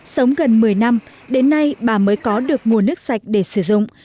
sống gần một mươi năm đến nay bà mới có được nguồn nước sạch để sử dụng